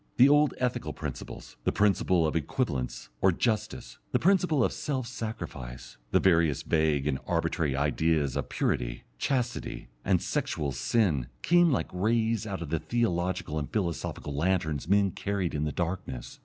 The old ethical principles, the principle of equivalents or justice, the principle of self sacrifice, the various vague and arbitrary ideas of purity, chastity, and sexual "sin," came like rays out of the theological and philosophical lanterns men carried in the darkness.